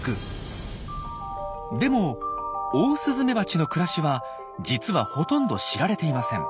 でもオオスズメバチの暮らしは実はほとんど知られていません。